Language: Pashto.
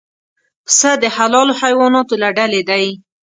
پسه د حلالو حیواناتو له ډلې دی.